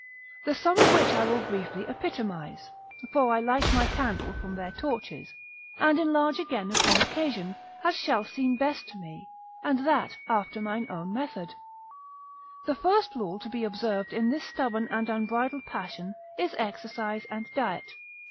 The sum of which I will briefly epitomise, (for I light my candle from their torches) and enlarge again upon occasion, as shall seem best to me, and that after mine own method. The first rule to be observed in this stubborn and unbridled passion, is exercise and diet.